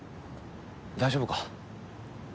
大丈夫か？